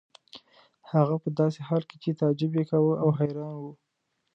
هغه په داسې حال کې چې تعجب یې کاوه او حیران و.